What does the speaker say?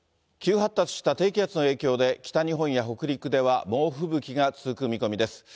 急発達した低気圧の影響で、北日本や北陸では猛吹雪が続く見込みです。